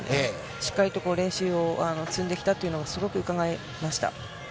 しっかりと練習を積んできたというのがすごくうかがえました。